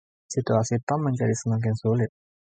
Situasi Tom menjadi semakin sulit.